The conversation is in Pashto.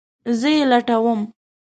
زه یی لټوم